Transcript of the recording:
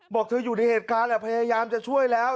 บอกเธออยู่ในเหตุการณ์แหละพยายามจะช่วยแล้ว